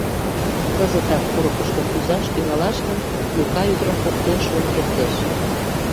Кызытак курыкышко кӱзаш тӱҥалаш гын, Лука ӱдырым поктен шуын кертеш.